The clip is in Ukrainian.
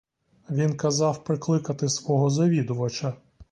Він казав прикликати свого завідувача.